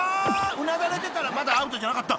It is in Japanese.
［うなだれてたらまだアウトじゃなかった］